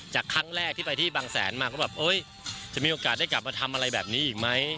จากครั้งแรกที่ไปที่บางแสนมาก็แบบจะมีโอกาสได้กลับมาทำอะไรแบบนี้อีกไหม